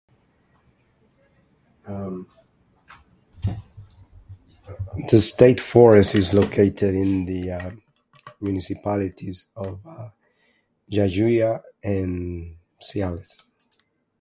The state forest is located in the municipalities of Jayuya and Ciales.